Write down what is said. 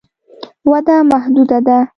وده محدوده ده.